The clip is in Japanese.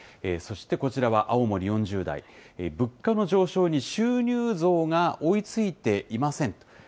そしてこちらは青森４０代、物価の上昇に収入増が追いついていませんと。